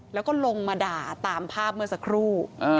แล้วก็ลงมาด่าตามภาพเมื่อสักครู่